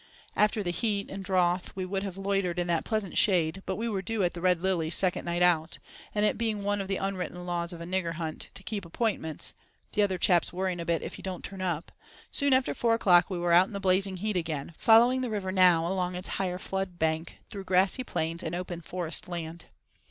After the heat and "drouth" we could have loitered in that pleasant shade; but we were due at the Red Lilies "second night out"; and it being one of the unwritten laws of a "nigger hunt" to keep appointments—"the other chaps worrying a bit if you don't turn up"—soon after four o'clock we were out in the blazing heat again, following the river now along its higher flood bank through grassy plains and open forest land.